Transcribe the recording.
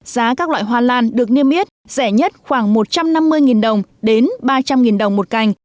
giá các loại hoa lan được niêm yết rẻ nhất khoảng một trăm năm mươi đồng đến ba trăm linh đồng một cành